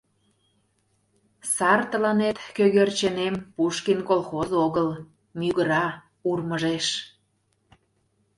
— Сар тыланет, кӧгерченем, Пушкин колхоз огыл: мӱгыра, урмыжеш...